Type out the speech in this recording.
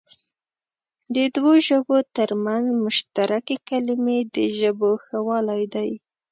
د دوو ژبو تر منځ مشترکې کلمې د ژبو ښهوالی دئ.